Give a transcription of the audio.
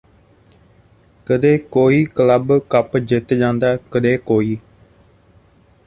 ਕਦੇ ਕੋਈ club cup ਜਿੱਤ ਜਾਂਦਾ ਕਦੇ ਕੋਈ